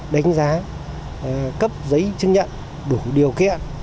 đánh giá cấp giấy chứng nhận đủ điều kiện